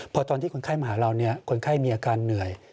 พอตอนที่คนไข้มาหาเราคนไข้มีอาการเหนื่อย